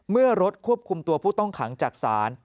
เมื่อรถควบคุมตัวผู้ต้องขังจากศาล